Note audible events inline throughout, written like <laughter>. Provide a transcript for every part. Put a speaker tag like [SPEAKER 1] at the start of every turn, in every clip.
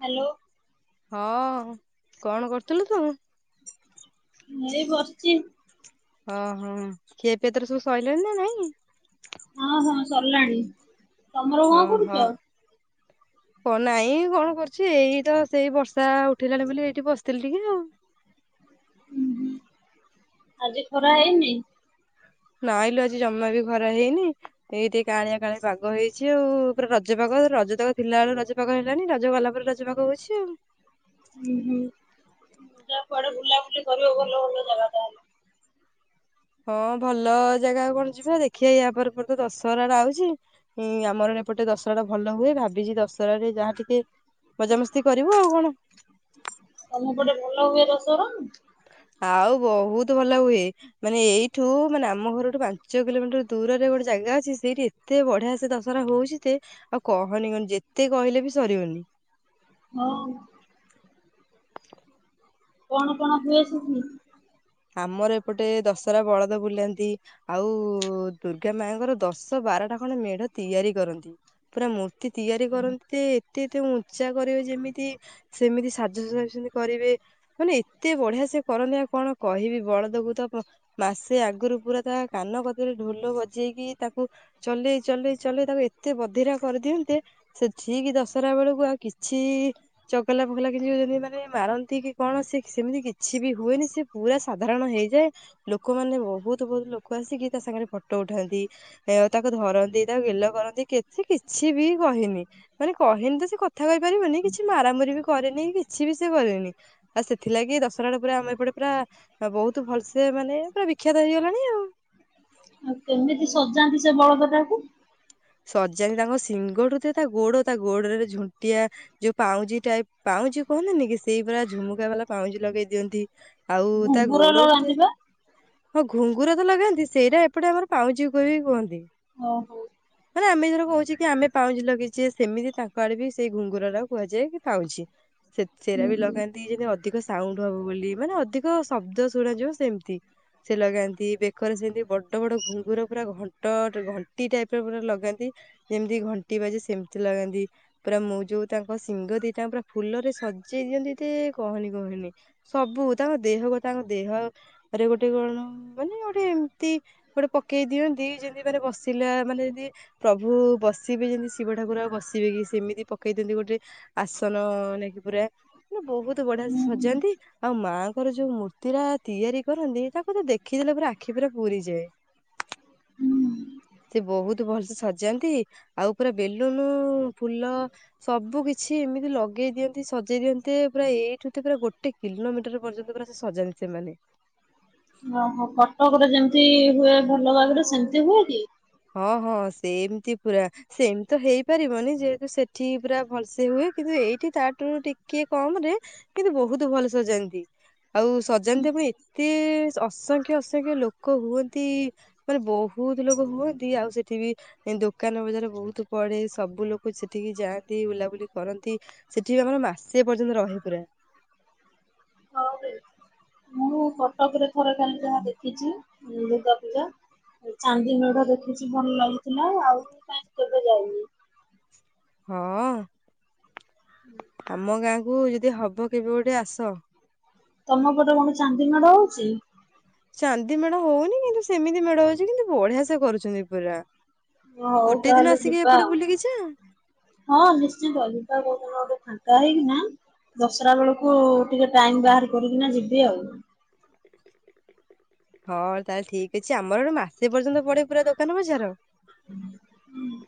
[SPEAKER 1] Hello.
[SPEAKER 2] ହଁ କଣ କରୁଥିଲୁ ତୁ?
[SPEAKER 1] ଏ ବସିଛି।
[SPEAKER 2] ଓହୋ ଖିଏ ପି ତର ସବୁ ସରିଲଣି ନା ନାଇଁ?
[SPEAKER 1] ହଁ ହଁ ସରିଲାଣି। ତମର କଣ
[SPEAKER 2] ହଁ
[SPEAKER 1] କରୁଛ?
[SPEAKER 2] ହଁ। କ ନାଇଁ କଣ କରୁଛି ଏଇ ତ ସେଇ ବର୍ଷା ଉଠିଲାଣି ବୋଲି ଏଇଠି ବସିଥିଲି ଟିକେ ଆଉ।
[SPEAKER 1] ହୁଁ ହୁଁ ଆଜି ଖରା ହେଇନି?
[SPEAKER 2] ନଇଁ ଲୋ ଆଜି ଜମା ବି ଖରା ହେଇନି। ଏଇଠି କାଁଳିଆ କାଁଳିଆ ପାଗ ହେଇଛି ଆଉ ପୁରା ରଜପାଗ ରଜ ଥିଲା ବେଳେ ରଜ ରଜ ପାଗ ହେଲାନି ରଜ ଗଲା ପରେ ରଜ ପାଗ ହଉଛି ଆଉ।
[SPEAKER 1] ହୁଁ ହୁଁ ଯା କୁଆଡେ ବୁଲାବୁଲି କରିବ ଭଲ ଭଲ ଜାଗା ତାହେଲେ।
[SPEAKER 2] ହଁ ଭଲ ଜାଗା କଣ ଯିବା ଦେଖିବା ୟା ପରେ ପରେ ତ ଦଶହରା ଆଉଛି। ହଁ ଆମର ଏପଟେ ଦଶହରା ଟା ଭଲ ହୁଏ ଭାବିଛି ଦଶହରାରେ ଯାହା ଟିକେ ମଜାମସ୍ତି କରିବୁ ଆଉ କଣ।
[SPEAKER 1] ତମ ପଟେ ଭଲ ହୁଏ ଦଶହରା?
[SPEAKER 2] ଆଉ ବହୁତ ଭଲ ହୁଏ। ମାନେ ଏଇଠୁ ମାନେ ଆମ ଘରଠୁ ପାଞ୍ଚ କିଲୋମିଟର ଦୂରରେ ଗୋଟେ ଜାଗା ଅଛି ସେଇଠି ଏତେ ବଢିଆ ସେ ଦଶହରା ହଉଛି ଯେ ଆଉ କହନି ଯେତେ କହିଲେ ବି ସରିବନି।
[SPEAKER 1] ହଁ। କଣ କଣ ହୁଏ ସେଠି?
[SPEAKER 2] ଆମର ଏପଟେ ଦଶହରା ବଳଦ ବୁଲନ୍ତି। ଆଉ ଦୁର୍ଗା ମାଙ୍କର ଦଶ ବାରଟା ଖଣ୍ଡେ ମେଢ ତିଆରି କରନ୍ତି ପୁରା ମୂ ମୂର୍ତ୍ତି ତିଆରି କରନ୍ତି ଏତେ ଏତେ ଉଞ୍ଚା କରିବ ଯେମିତି ସେମିତି ସାଜ ସଜା ବି ସେମିତି କରିବେ ମାନେ ଏତେ ବଢିଆ ସେ କରନ୍ତି ଆଉ କଣ କହିବି ବଳଦକୁ ତ ମାସେ ଆଗରୁ ପୁରା ତା କାନ କତିରେ ଢୋଲ ବଜେଇକି ତାକୁ ଚଲେଇ ଚଲେଇ ଚଲେଇ ତାକୁ ଏତେ ବଧିରା କରିଦିଅନ୍ତି ଦେ ସେ ଠିକ୍ ଦଶହରା ବେଳକୁ ଆଉ କିଛି ଚଗଲା ଫଗଲା କିଛି ଯେମିତି ମାନେ ମାରନ୍ତି କି କଣ ସେ ସେମିତି କିଛି ବି ହୁଏନି ସେ ପୁରା ସାଧାରଣ ହେଇଯାଏ ଲୋକମାନେ ବହୁତ ବହୁତ ଲୋକ ଆସିକି ତା ସାଙ୍ଗରେ ଫଟୋ ଉଠାନ୍ତି। ଏୟ ତାକୁ ଧରନ୍ତି ତାକୁ ଗେଲ କରନ୍ତି କିଛି କିଛି ବି କହିନି। ମାନେ କହିନି ତ ସେ କଥା କହିପାରିବନି କିଛି ମାରାମୁରି ବି କରେନି କିଛି ବି ସେ କରେନି। ଆଉ ସେଥିଲାଗି ଦଶହରା ରେ ପୁରା ଆମର ଏପଟେ ପୁରା ବହୁତ ଭଲସେ ମାନେ ପୁରା ବିଖ୍ୟାତ ହେଇଗଲାଣି ଆଉ।
[SPEAKER 1] ଆଉ କେମିତି ସଜାନ୍ତି ସେ ବଳଦଟା କୁ?
[SPEAKER 2] ସଜାନ୍ତି ତାଙ୍କ ସିଙ୍ଗଠୁ ଯେ ତା ଗୋଡ ତା ଗୋଡରେ ଝୁଣ୍ଟିଆ ଯୋଉ ପାଉଁଜି ଟାଇପ୍ ପାଉଁଜି କୁହନ୍ତିନି କି ସେଇ ପୁରା ଝୁମୁକା ବାଲା ପାଉଁଜି ଲଗେଇ ଦିଅନ୍ତି। ଆଉ ତା
[SPEAKER 1] ଘୁଙ୍ଗୁର
[SPEAKER 2] ଗୋଡଠୁ ଯେ
[SPEAKER 1] ଲଗାନ୍ତି ବା।
[SPEAKER 2] ହଁ ଘୁଙ୍ଗୁର ତ ଲଗାନ୍ତି ସେରା ଏପଟେ ଆମର ପାଉଁଜି କୁ ବି କୁହନ୍ତି।
[SPEAKER 1] ଅହ।
[SPEAKER 2] ଆମେ ଧର କହୁଛେ କି ଆମେ ପାଉଁଜି ଲଗେଇଛେ ସେମିତି ତାଙ୍କ ଆଡେ ବି ସେଇ ଘୁଙ୍ଗୁର ରା କୁହାଯାଏ କି ପାଉଁଜି। ସେ
[SPEAKER 1] ହୁଁ
[SPEAKER 2] ସେରା ବି
[SPEAKER 1] ହୁଁ
[SPEAKER 2] ଲଗାନ୍ତି। ଯେମିତି ଅଧିକ ସାଉଣ୍ଡ ହବ ବୋଲି ମାନେ ଅଧିକ ଶବ୍ଦ ଶୁଣାଯିବ ସେମତି। ସେ ଲଗାନ୍ତି ବେକରେ ସେମିତି ବଡ ବଡ ଘୁଙ୍ଗୁର ପୁରା ଘଣ୍ଟ ଘଣ୍ଟି ଟାଇପ୍ ସେ ପୁରା ଲଗାନ୍ତି ଯେମିତି ଘଣ୍ଟି ବାଜେ ସେମିତି ଲାଗାନ୍ତି। ପୁରା ମୁଁ ଯୋଉ ତାଙ୍କ ସିଂଙ୍ଗ ଦିଟା ପୁରା ଫୁଲରେ ସଜେଇ ଦିଅନ୍ତି ଯେ କହନି କହନି। ସବୁ ତାଙ୍କ ଦେହକୁ ତାଙ୍କ ଦେହ ପରେ ଗୋଟେ କଣ ମାନେ ଗୋଟେ ଏମିତି ଗୋଟେ ପକେଇ ଦିଅନ୍ତି ଯେମିତି ମାନେ ବସିଲା ମାନେ ଯଦି ପ୍ରଭୁ ବସିବେ ଯେମିତି ଶିବ ଠାକୁର ଆଉ ବସିବେ କି ସେମିତି ପକେଇ ଦିଅନ୍ତି ଗୋଟେ ଆସନ ନେଇକି ପୁରା ମ ବହୁତ ବଢିଆ ସେ
[SPEAKER 1] ହୁଁ ହୁଁ
[SPEAKER 2] ସଜାନ୍ତି ଆଉ ମାଆଙ୍କର ଯୋଉ ମୂର୍ତ୍ତି ରା ତିଆରି କରନ୍ତି ତାକୁ ତ ଦେଖିଦେଲେ ପୁରା ଆଖି ପୁରା ପୁରୀଯାଏ।
[SPEAKER 1] ହୁଁ।
[SPEAKER 2] ସେ ବହୁତ ଭଲସେ ସଜାନ୍ତି ଆଉ ପୁରା ବେଲୁନ ଫୁଲ ସବୁ କିଛି ଏମିତି ଲଗେଇ ଦିଅନ୍ତି ସଜେଇ ଦିଅନ୍ତି ପୁରା ଏଇଠୁ ତ ପୁରା ଗୋଟେ କିଲୋମିଟର ପର୍ଯ୍ୟନ୍ତ ପୁରା ସେ ସଜାନ୍ତି ସେମାନେ।
[SPEAKER 1] ଓହୋ କଟକରେ ଯେମିତି ହୁଏ ଭଲ ଭାବରେ ସେମତି ହୁଏ କି?
[SPEAKER 2] ହଁ ହଁ ସେମିତି ପୁରା। ସେମିତି ତ ହେଇପାରିବନି ଯେହେତୁ ସେଠି ପୁରା ଭଲସେ ହୁଏ କିନ୍ତୁ ଏଇଠି ତାଠୁ ଟିକେ କମ୍ ରେ କିନ୍ତୁ ବହୁତ ଭଲ ସଜାନ୍ତି। ଆଉ ସଜାନ୍ତି ଫୁଣି ଏତେ ଅସଂଖ୍ୟ ଅସଂଖ୍ୟ ଲୋକ ହୁଅନ୍ତି। ମାନେ ବହୁତ ଲୋକ ହୁଅନ୍ତି ଆଉ ସେଠି ବି ଦୋକାନ ବଜାର ବହୁତ ପଡେ ସବୁ ଲୋକ ସେଠିକି ଯାଆନ୍ତି ବୁଲାବୁଲି କରନ୍ତି। ସେଠି ବି ଆମର ମାସେ ପର୍ଯ୍ୟନ୍ତ ରହେ ପୁରା।
[SPEAKER 1] ହଉ ମୁଁ କଟକରେ ଥରେ ଖାଲି ଯାହା ଦେଖିଚି ଦୁର୍ଗାପୂଜା। ଚାନ୍ଦି ମେଢ ଦେଖିଚି ଭଲ ଲାଗିଥିଲା ଆଉ କାହିଁକି କେବେ ଯାଇନି।
[SPEAKER 2] ହଁ?
[SPEAKER 1] ହୁଁ।
[SPEAKER 2] ଆମ ଗାଁ କୁ ଯଦି ହବ କେବେ ଗୋଟେ ଆସ।
[SPEAKER 1] ତମ ପଟେ କଣ ଚାନ୍ଦି ମେଢ଼ ହଉଛି?
[SPEAKER 2] ଚାନ୍ଦି ମେଢ ହଉନି। କିନ୍ତୁ ସେମିତି ମେଢ ହଉଛି, କିନ୍ତୁ ବଢିଆ ସେ କରୁଛନ୍ତି ପୁରା।
[SPEAKER 1] ହଉ
[SPEAKER 2] ଗୋଟେ
[SPEAKER 1] ତାହେଲେ
[SPEAKER 2] ଦିନ ଆସିକି
[SPEAKER 1] ଯିବା ଆଉ
[SPEAKER 2] ଏପଟେ ବୁଲିକି ଯାଆ।
[SPEAKER 1] ହଁ ନିଶ୍ଚିତ ଯିବା କୋଉଦିନ ଗୋଟେ ଫାଙ୍କା ହେଇକି ନା। ଦଶରା ବେଳକୁ ଟିକେ ଟାଇମ ବାହାର କରିକିନା ଯିବି ଆଉ।
[SPEAKER 2] ହଁ, ତାହେଲେ ଠିକ ଅଛି ଆମର ମାସେ ପର୍ଯ୍ୟନ୍ତ ପଡେ ପୁରା ଦୋକାନ ବଜାର।
[SPEAKER 1] ହୁଁ,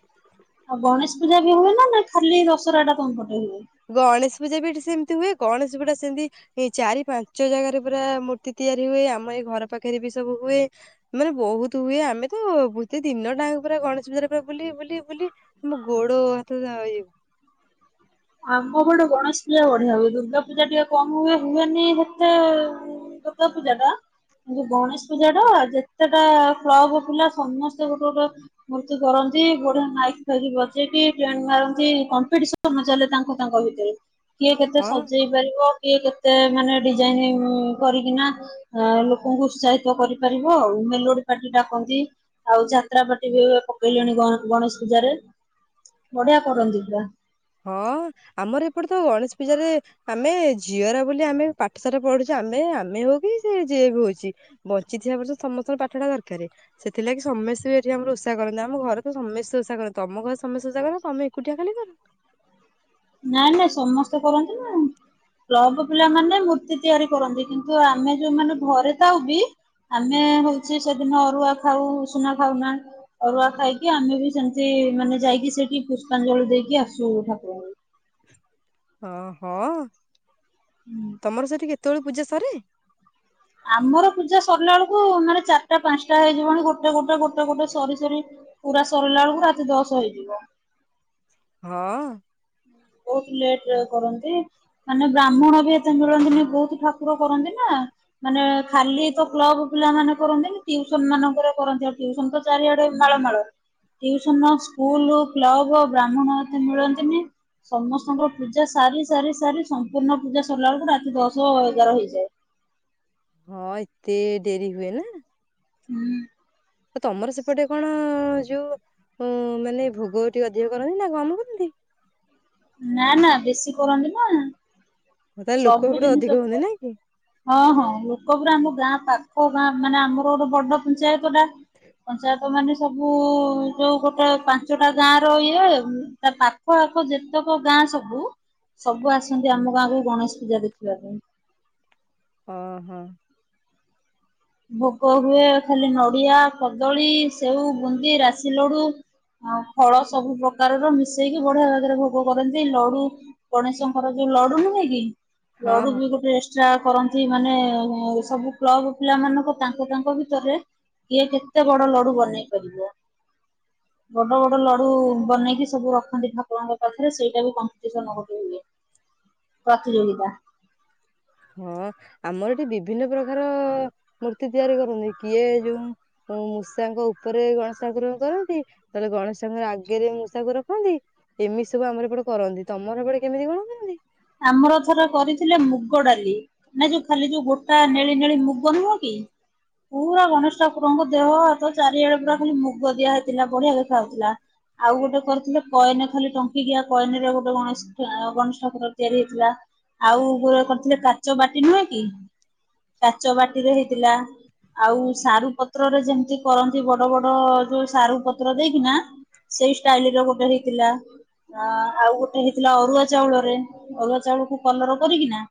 [SPEAKER 1] ଆଉ ଗଣେଶ ପୂଜା ବି ହୁଏ ନା ନାଇଁ, ଖାଲି ଦଶରା ଟା ତମ ପଟେ ହୁଏ?
[SPEAKER 2] ଗଣେଶ ପୂଜା ବି ଏଠି ସେମିତି ହୁଏ। ଗଣେଶ ପୂଜା ଟା ସେମିତି ଏଇ ଚାରି-ପାଞ୍ଚ ଜାଗାରେ ପୁରା ମୂର୍ତ୍ତି ତିଆରି ହୁଏ। ଆମ ଏଇ ଘର ପାଖରେ ବି ସବୁ ହୁଏ। ମାନେ ବହୁତ ହୁଏ। ଆମେ ତ ପୂଜା ଦିନ ଟା ଆଙ୍କ ପୁରା ଗଣେଶ ପୂଜାରେ ପୁରା ବୁଲି ବୁଲ ବୁଲି ଆମ ଗୋଡ ହାତ। <unintelligible>
[SPEAKER 1] ଆମ ପଟେ ଗଣେଶ ପୂଜା ବଢିଆ ହୁଏ। ଦୁର୍ଗା ପୂଜା ଟିକେ କମ ହୁଏ। ହୁଏନି ହେତେ ଦୁର୍ଗା ପୂଜା ଟା। <unintelligible> ଗଣେଶ ପୂଜା ଟା ଯେତେଟା କ୍ଲବ ପିଲା ସମସ୍ତେ ଗୋଟେ ଗୋଟେ ମୃତ୍ତି କରନ୍ତି, ବଢିଆ ମାଇକି ଫାଇକି ବଜେଇକି ଟେଣ୍ଟ୍ ମାରନ୍ତି, କମ୍ପିଟିସନ ଚାଲେ ତାଙ୍କ ତାଙ୍କ ଭିତରେ। କିଏ କେତେ
[SPEAKER 2] ହଁ
[SPEAKER 1] ସଜେଇ ପାରବ। କିଏ କେତେ ମାନେ ଡିଜାଇନ କରିକିନା ଆ ଲୋକଙ୍କୁ ଉତ୍ସାହିତ କରିପାରିବ ଆଉ। ମେଲୋଡି ପାର୍ଟି ଡାକନ୍ତି। ଆଉ ଯାତ୍ରାପାଟି ବି ପକେଇଲେଣି ଗ ଗଣେଶ ପୂଜାରେ। ବଢିଆ କରନ୍ତି ପୁରା।
[SPEAKER 2] ହଁ, ଆମର ଏପଟେ ତ ଗଣେଷ ପୂଜାରେ ଆମେ ଝିଅରା ବୋଲି ଆମେ ପାଠଶାଠ ପଢୁଛୁ, ଆମେ ଆମେ ହଉ କି ସେ ଯିଏ ବି ହଉଛି। ବଞ୍ଚି ଥିବା ପର୍ଯ୍ୟନ୍ତ ସମସ୍ତଙ୍କର ପାଠଟା ଦରକାରେ। ସେଥିଲାଗି ସମସ୍ତେ ବି ଏଠି ଆମର ଓଷା କରନ୍ତି। ଆମ ଘରେ ତ ସମସ୍ତେ ଓଷା କରନ୍ତି। ତମ ଘରେ ସମସ୍ତେ ଓଷା କରନ୍ତି ନା ତମେ ଏକୁଟିିଆ ଖାଲି କର?
[SPEAKER 1] ନାଇଁ ନାଇଁ ସମସ୍ତେ କରନ୍ତି ନା। କ୍ଲବ ପିଲା ମାନେ ମୂର୍ତ୍ତି ତିଆରି କରନ୍ତି। କିନ୍ତୁ ଆମେ ଯୋଉମାନେ ଘରେ ଥାଉ ବି ଆମେ ହଉଛି ସେଦିନ ଅରୁଆ ଖାଉ ଉଷୁନା ଖାଉ ନା। ଅରୁଆ ଖାଇକି ଆମେ ବି ସେମିତି ମାନେ ଯାଇକି ସେଠି ପୁଷ୍ପାଞ୍ଜଳି ଦେଇକି ଆସୁ ଠାକୁରଙ୍କୁ।
[SPEAKER 2] ହଁ, ହଁ?
[SPEAKER 1] ହୁଁ।
[SPEAKER 2] ତମର ସେଠି କେତେବେଳକୁ ପୂଜା ସରେ?
[SPEAKER 1] ଆମର ପୂଜା ସରିଲା ବେଳକୁ ମାନେ ଚାରିଟା-ପାଞ୍ଚଟା ହେଇଯିବଣି। ଗୋଟେ-ଗୋଟେ-ଗୋଟେ-ଗୋଟେ ସରି ସରି ପୁରା ସରିଲା ବେଳକୁ ରାତି ଦଶ ହେଇଯିବ।
[SPEAKER 2] ହଁ?
[SPEAKER 1] ବହୁତ ଲେଟ ରେ କରନ୍ତି। ମାନେ ବ୍ରାହ୍ମଣ ବି ଏତେ ମିଳନ୍ତିନି ବହୁତ ଠାକୁର କରନ୍ତି ନା। ମାନେ ଖାଲି ତ କ୍ଲବ ପିଲା ମାନେ କରନ୍ତିନି, ଟିଉସନ ମାନଙ୍କରେ କରନ୍ତି। ଆଉ ଟିଉସନ ତ ଚାରିଆଡେ ମାଳ ମାଳ। ଟିଉସନ, ସ୍କୁଲ, କ୍ଲବ ବ୍ରାହ୍ମଣ ଏତେ ମିଳନ୍ତିନି। ସମସ୍ତଙ୍କର ପୂଜା ସାରି ସାରି ସାରି ସମ୍ପୂର୍ଣ୍ଣ ପୂଜା ସରିଲା ବେଳକୁ ରାତି ଦଶ ଏଗାର ହେଇଯାଏ।
[SPEAKER 2] ହଁ ଏତେ ଡେରି ହୁଏ ନା?
[SPEAKER 1] ହୁଁ।
[SPEAKER 2] ତ ତମର ସେପଟେ କଣ ଯୋଉ ମାନେ ଭୋଗ ଟିକେ ଅଧିକ କରନ୍ତି ନା କମ କରନ୍ତି?
[SPEAKER 1] ନା ନା ବେଶୀ କରନ୍ତି ନା‌‌।
[SPEAKER 2] ତାହେଲେ ଲୋକ ହେପଟୁ ଅଧିକ ହୁଅନ୍ତି ନାଇଁ କି?
[SPEAKER 1] ହଁ ହଁ ଲୋକ ପୁରା ଆମ ଗାଁ ପାଖ ଗାଁ ମାନେ ଆମର ଗୋଟେ ବଡ ପଞ୍ଚାୟତଟା ପଞ୍ଚାୟତ ମାନେ ସବୁ ଯୋଉ ଗୋଟେ ପାଞ୍ଚଟା ଗାଁ ର ଇଏ ତା ପାଖ ଆଖ ଯେ ଜେତକ ଗାଁସବୁ ସବୁ ଆସନ୍ତି ଆମ ଗାଁକୁ ଗଣେଶ ପୂଜା ଦେଖିବା ପାଇଁ।
[SPEAKER 2] ଓହୋ।
[SPEAKER 1] ଭୋଗ ହୁଏ ଖାଲି ନଡିଆ, କଦଳୀ, ସେଉ, ବୁନ୍ଦି, ରାଶି ଲଡୁ ଆଉ ଫଳ ସବୁ ପ୍ରକାରର ମିଶେଇକି ବଢିଆ ଭାବରେ ଭୋଗ କରନ୍ତି ଲଡୁ ଗଣେଶଙ୍କର ଯୋଉ ଲଡୁ ନୁହେଁ କି?
[SPEAKER 2] ହଁ
[SPEAKER 1] ଲଡୁ
[SPEAKER 2] ହଁ।
[SPEAKER 1] ବି ଗୋଟେ ଏକ୍ସଟ୍ରା କରନ୍ତି ମାନେ ସବୁ କ୍ଲବ୍ ପିଲାମାନଙ୍କ ତାଙ୍କ ତାଙ୍କ ଭିତରେ କିଏ କେତେ ବଡ ଲଡୁ ବନେଇ ପାରିବ। ବଡ ବଡ ଲଡୁ ବନେଇକି ସବୁ ରଖନ୍ତି ଠାକୁରଙ୍କ ପାଖରେ ସେଇଟା ବି କମ୍ପିଟିସନ୍ ଗୋଟେ ହୁଏ। ପ୍ରତିଯୋଗିତା।
[SPEAKER 2] ହଁ ଆମର ଏଠି ବିଭିନ୍ନ ପ୍ରକାର ମୂର୍ତ୍ତି ତିଆରି କରନ୍ତି କିଏ ଯୋଉଁ ମୂଷାଙ୍କ ଉପରେ ଗଣେଶ ଠାକୁର କରନ୍ତି। ନହେଲେ ଗଣେଶ ଠାକୁର ଆଗରେ ମୂଷାକୁ ରଖନ୍ତି। ଏମିତି ସବୁ ଆମର ଏପଟେ କରନ୍ତି ତମର ହେପଟେ କେମିତି କଣ କରନ୍ତି?
[SPEAKER 1] ଆମର ଥରେ କରିଥିଲେ ମୁଗ ଡାଲି। ନାଇଁ ଯୋଉ ଖାଲି ଯୋଉ ଗୋଟା ନେଳି ନେଳି ମୁଗ ନୁହଁ କି? ପୁରା ଗଣେଶ ଠାକୁରଙ୍କ ଦେହହାତ ଚାରିଆଡେ ପୁରା ଖାଲି ମୁଗ ଦିଆ ହେଇଥିଲା ବଢିଆ ଦେଖାଯାଉଥିଲା। ଆଉ ଗୋଟେ କରିଥିଲେ କଏନ୍ ଖାଲି ଟଙ୍କିିକିଆ କଏନ୍ ରେ ଗୋଟେ ଗଣଶେ ଗଣେଶ ଠାକୁର ତିଆରି ହେଇଥିଲା ଆଉ ଗୁରେ କରିଥିଲେ କାଚ ବାଟି ନୁହେଁ କି? କାଚ ବାଟିରେ ହେଇଥିଲା। ଆଉ ସାରୁ ପତ୍ରରେ ଯେମିତି କରନ୍ତି ବଡ ବଡ ଯୋଉ ସାରୁ ପତ୍ର ଦେଇକି ନା ସେଇ ଷ୍ଟାଇଲ୍ ର ଗୋଟେ ହେଇଥିଲା ଆ ଆଉ ଗୋଟେ ହେଇଥିଲା ଅରୁଆ ଚାଉଳରେ। ଅରୁଆ ଚାଉଳକୁୁ କଲର କରିକିନା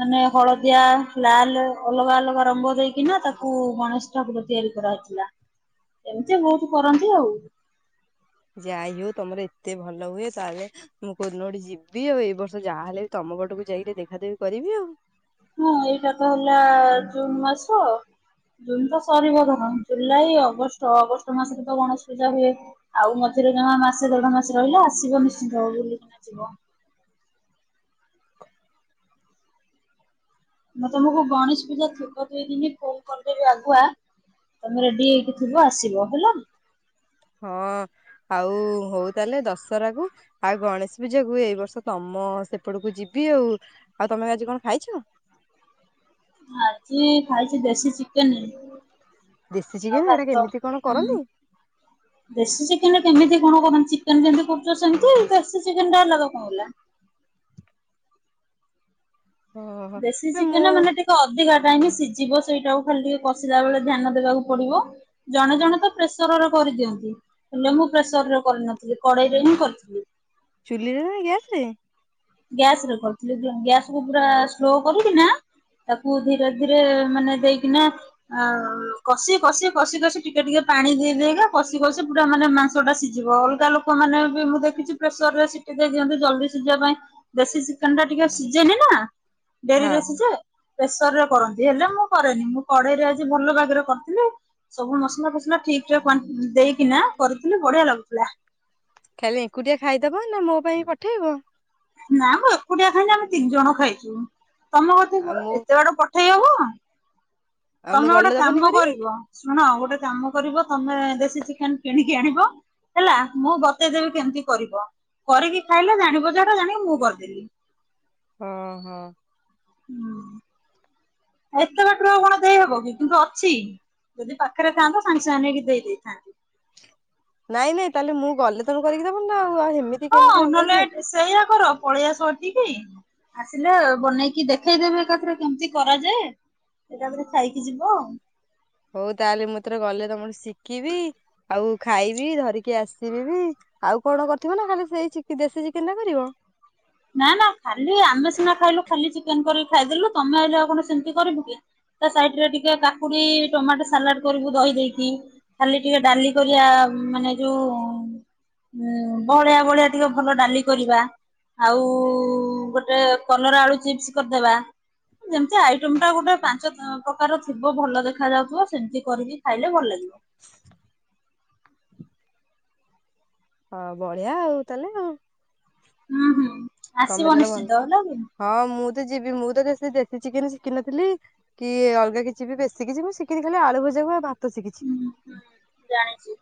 [SPEAKER 1] ମାନେ ହଳଦିଆ ଲାଲ୍ ଅଲଗା ଅଲଗା ରଙ୍ଗ ଦେଇକିନା ତାକୁ ଗଣେଶ ଗଣେଶ ଠାକୁର ତିଆରି କରାହେଇଥିଲା ଏମିତି ବହୁତ୍ କରନ୍ତି ଆଉ।
[SPEAKER 2] ଯାଇ ହଉ ତମର ଏତେ ଭଲ ହୁଏ ତାହେଲେ ମୁଁ କୋଉଦିନ ଗୋଟେ ଯିବି ଆଉ ଏଇ ବର୍ଷ ଯାହାହେଲେ ବି ତମ ପଟକୁ ଯାଇକି ଟିକେ ଦେଖାଦେଖି କରିବି ଆଉ।
[SPEAKER 1] ହଁ ଏଇଟା ତ ହେଲା ଜୁନ ମାସ ଜୁନ ତ ସରିବ ଧର ଜୁଲାଇ ଅଗଷ୍ଟ ଅଗଷ୍ଟ ମାସରେ ତ ଗଣେଶ ପୂଜା ହୁଏ। ଆଉ ମଝିରେ ଜମା ମାସେ ଦେଢ ମାସେ ରହିଲା ଆସିବ ନିଶ୍ଚିନ୍ତ ବୁଲିକିନା ଯିବ। ମୁଁ ତମକୁ ଗଣେଶ ପୂଜା ଥିବ ଦୁଇ ଦିନି ଫୋନ୍ କରି ଦେବି ଆଗୁଆ ତମେ ରେଡ଼ି ହେଇକି ଥିବ ଆସିବ ହେଲା।
[SPEAKER 2] ହଁ ଆଉ ହଉ ତାହେଲେ ଦଶହରା କୁ ଆଉ ଗଣେଶ ପୂଜାକୁ ଏଇ ବର୍ଷ ତମ ସେପଟକୁ ଯିବି ଆଉ ଆଉ ତମେ ଆଜି କଣ ଖାଇଛ?
[SPEAKER 1] ଆଜି ଖାଇଛି ଦେଶୀ ଚିକେନ୍।
[SPEAKER 2] ଦେଶୀ ଚିକେନ୍ ହେରା କେମିତି କଣ
[SPEAKER 1] ହୁଁ।
[SPEAKER 2] କରନ୍ତି?
[SPEAKER 1] ଦେଶୀ ଚିକେନ୍ କେମିତି କଣ କରନ୍ତି ଚିକେନ୍ ଯେମିତି କରୁଛ ସେମିତି ଦେଶୀ ଚିକେନ ଟା ଅଲଗା କଣ ହେଲା।
[SPEAKER 2] ଓହୋ
[SPEAKER 1] ଦେଶୀ
[SPEAKER 2] ନା ମୁଁ
[SPEAKER 1] ଚିକେନ ମାନେ ଟି ତ ଅଧିକା ଟାଇମ ସିଝିବ ସେଇଟାକୁ ଖାଲି ଟିକେ କଷିଲା ବେଳେ ଧ୍ୟାନ ଦେବାକୁ ପଡିବ। ଜଣେ ଜଣେ ତ ପ୍ରେସରରେ କରିଦିଅନ୍ତି। ହେଲେ ମୁଁ ପ୍ରେସର ରେ କରିନଥିଲି କଡେଇରେ ହିଁ କରିଥିଲି।
[SPEAKER 2] ଚୁଲିରେ ନା ଗ୍ୟାସ ରେ?
[SPEAKER 1] ଗ୍ୟାସ ରେ କରିଥିଲି ଗ୍ୟାସ କୁ ପୁରା ସ୍ଲୋ କରୁକି ନା ତାକୁ ଧୀରେ ଧୀରେ ମାନେ ଦେଇକିନା ଆ କଷି କଷି କଷି କଷି ଟିକେ ଟିକେ ପାଣି ଦେଇଦେଇଗା କଷି କଷି ପୁରା ମାନେ ମା ସଟା ସିଜିବ ଅଲଗା ଲୋକମାନେ ବି ମୁଁ ଦେଖିଛି ପ୍ରେସର ରେ ସିଟି ଦେଇ ଦିଅନ୍ତୁ ଜଲ୍ଦି ସିଝିବା ପାଇଁ। ଦେଶୀ ଚିକେନ ଟା ଟିକେ ସିଜେନି ନା
[SPEAKER 2] ହଁ
[SPEAKER 1] ଡେରିରେ ସିଜେ। ପ୍ରେସର ରେ କରନ୍ତି ହେଲେ ମୁଁ କରେନି ମୁଁ କଡେଇରେ ଆଜି ଭଲ ଭାଗରେ କରିଥିଲି। ସବୁ ମସଲା ଫସଲା ଠିକରେ କ୍ୱାନ ଦେଇକିନା କରିଥିଲି ବଢିଆ ଲାଗୁଥିଲା।
[SPEAKER 2] ଖାଲି ଏକୁଟିଆ ଖାଇଦବ ନା ମୋ ପାଇଁ ପଠେଇବ।
[SPEAKER 1] ନାମ ଏକୁଟିଆ ଖାଇନି ଆମେ ତିନି ଜଣ ଖାଇଛୁ ତମ କତିକି
[SPEAKER 2] ଆଉ
[SPEAKER 1] ପ
[SPEAKER 2] ମୁଁ
[SPEAKER 1] ଏତେ ବାଟ ପ
[SPEAKER 2] ଆଉ ମୁଁ
[SPEAKER 1] ତମେ ଗୋଟେ
[SPEAKER 2] ଗଲେ ଦବନି
[SPEAKER 1] କାମ
[SPEAKER 2] କରିକି
[SPEAKER 1] କରିବ। ଶୁଣ ଗୋଟେ କାମ କରିବ ତମେ ଦେଶୀ ଚିକେନ କିଣିକି ଆଣିବ। ହେଲା ମୁଁ ବତେଇଦେବି କେମିତି କରିବ କରିକି ଖାଇଲେ ଜାଣିବ ଯେ ହେଟା ଜାଣିକି ମୁଁ କରିଦେଲି।
[SPEAKER 2] ହୁଁ ହୁଁ।
[SPEAKER 1] ହୁଁ <unintelligible> ଏତେ ବାଟରୁ ଆଉ କଣ ଦେଇହବ କି କିନ୍ତୁ ଅଛି ଯଦି ପାଖରେ ଥାଆନ୍ତ ସାଙ୍ଗେ ସାଙ୍ଗେ ମାନେ ନେଇକି ଦେଇ ଦେଇଥାନ୍ତି।
[SPEAKER 2] ନାଇଁ ନାଇଁ ତାହେଲେ ମୁଁ ଗଲେ ତମେ କରିକି ଦେବନି ନା ଆଉ ଆଉ ହେମିତି
[SPEAKER 1] ହୋଉ ନହେଲେ ସେଇଆ କର ପଳେଇଆସ ଏ <unintelligible> ଆସିଲେ ବନେଇକି ଦେଖେଇଦେବେ ଏକାଥରେ କେମିତି କରାଯାଏ। ଏକାଥରେ ଖାଇକି ଯିବ ଆଉ।
[SPEAKER 2] ହଉ ତାହେଲେ ମୁଁ ଏଥର ଗଲେ ତମଠୁ ଶିକିବି ଆଉ ଖାଇବି ଧରିକି ଆସିବି ବି। ଆଉ କଣ କରିଥିବ ନା ଖାଲି ସେଇ ଚି ଦେଶୀ ଚିକେନଟା କରିବ?
[SPEAKER 1] ନା ନା ଖାଲି ଆମେ ସିନା ଖାଇଲୁ ଖାଲି ଚିକେନ କରିକି ଖାଇଦେଲୁ ତମେ ଆଇଲେ ଆଉ କଣ ସେମିତି କରିବୁ କି? ତା ସାଇଡ ରେ ଟିକେ କାକୁଡି ଟମାଟୋ ସାଲାଡ କରିବୁ ଦହି ଦେଇକି। ଖାଲି ଟିକେ ଡାଲି କରିବା ମାନେ ଯୋଉ ହୁଁ ବଳଳିଆ ବହଳିଆ ଟିକେ ଭଲ ଡାଲି କରିବା। ଆଉ ଗୋଟେ କଲରା ଆଳୁ ଚିପ୍ସ କରିଦେବା। ଯେମତି ଆଇଟମ ଟା ଗୋଟେ ପାଞ୍ଚ ପ୍ରକାର ଥିବ ଭଲ ଦେଖା ଯାଉଥିବ ସେମତି କରିକି ଖାଇଲେ ଭଲ ଲାଗିବ।
[SPEAKER 2] <unintelligible> ହଁ ବଢିଆ ଆଉ ତାହେଲେ ଆଉ।
[SPEAKER 1] ହଁ ହଁ।
[SPEAKER 2] ତମେ ଦେଲେ ଭଲ ହଁ ମୁଁ ତ ଯିବି ମୁଁ ତ ସେ ଦେଶୀ ଚିକେନ ଶିଖିନଥିଲି। କି ଅଲଗା କିଛି ବି ବେଶି କିଛି ମୁଁ ଶିଖିନି ଖାଲି ଆଳୁ ଭଜା କୁ ଆଉ ଭାତ ଶିକିଛି।
[SPEAKER 1] ହୁଁ ହୁଁ ଜାଣିଚି।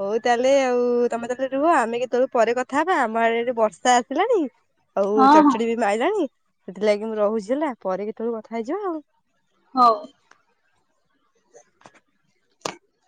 [SPEAKER 2] ହଉ ତାହେଲେ ଆଉ ତମେ ତାହେଲେ ରୁହ ଆମେ କେତେବେଳେ ପରେ କଥାହବା ଆମ ଆଡେ ଏଠି ବର୍ଷା ଆସିଲାଣି। ଆଉ
[SPEAKER 1] ହଁ ହଁ
[SPEAKER 2] ଚଚଡି ବି ମାଇଲାଣି ସେଥିଲାଗି ମୁଁ ରହୁଛି ହେଲା ପରେ କେତେବେଳେ କଥା ହେଇଯିବା ଆଉ।
[SPEAKER 1] ହଉ।